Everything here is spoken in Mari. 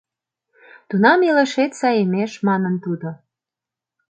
Тунам илышет саемеш, — манын тудо.